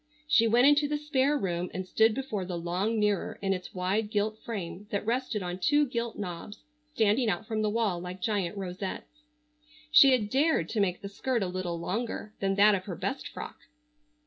She went into the spare room and stood before the long mirror in its wide gilt frame that rested on two gilt knobs standing out from the wall like giant rosettes. She had dared to make the skirt a little longer than that of her best frock.